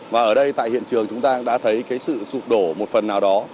và ở đây tại hiện trường chúng ta đã thấy cái sự sụp đổ một phần nào đó